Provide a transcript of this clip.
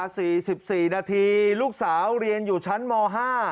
สี่สิบสี่นาทีลูกสาวเรียนอยู่ชั้นมห้า